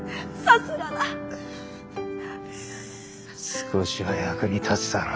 少しは役に立つだろ。